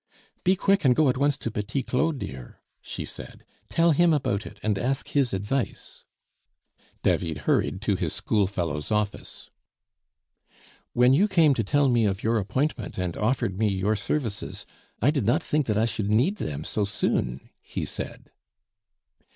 "Be quick, and go at once to Petit Claud, dear," she said; "tell him about it, and ask his advice." David hurried to his schoolfellow's office. "When you came to tell me of your appointment and offered me your services, I did not think that I should need them so soon," he said.